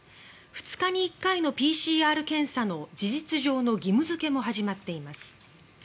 ２日に１回のＰＣＲ検査の事実上の義務付けも始まっています。